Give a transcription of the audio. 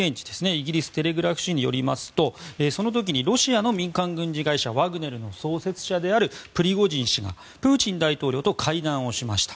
イギリステレグラフ紙によりますとその時にロシアの民間軍事会社ワグネルの創設者であるプリゴジン氏がプーチン大統領と会談をしました。